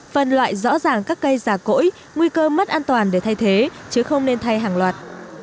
phân loại rõ ràng các cây già cỗi nguy cơ mất an toàn để thay thế chứ không nên thay hàng loạt